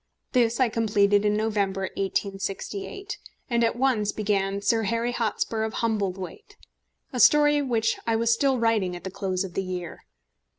This I completed in November, 1868, and at once began Sir Harry Hotspur of Humblethwaite, a story which I was still writing at the close of the year.